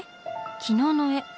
昨日の絵。